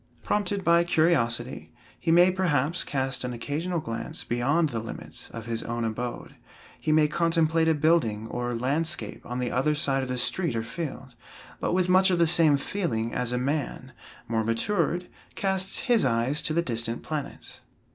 Prompted by curiosity, he may, perhaps, cast an occasional glance beyond the limits of his own abode. He may contemplate a building or landscape on the other side of the street or field, but with much of the same feeling as a man, more matured, casts his eyes to the distant planets.